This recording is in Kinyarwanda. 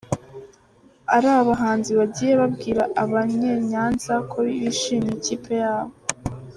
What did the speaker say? ari abahanzi bagiye babwira abanye nyanza ko bishimiye ikipe yabo.